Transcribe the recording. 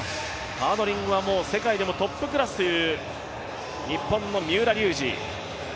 ハードリングは世界でもトップクラスという日本の三浦龍司。